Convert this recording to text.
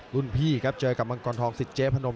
รุ่นพี่เจอกับมังกลทองศรีเจภนม